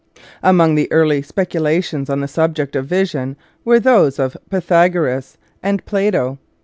Among the early speculations on the sub ject of vision were those of Pythagoras and Plato.